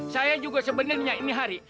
saya juga sebenarnya ini hari